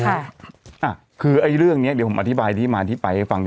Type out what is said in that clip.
ค่ะอะคือให้เรื่องเนี้ยเดี๋ยวผมอธิบายีบมาอธิบายให้ฟัง